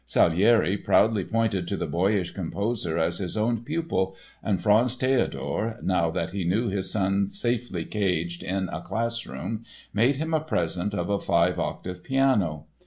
Salieri proudly pointed to the boyish composer as his own pupil and Franz Theodor, now that he knew his son safely caged in a classroom, made him a present of a five octave piano.